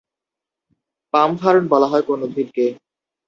Palm fern বলা হয় কোন উদ্ভিদকে?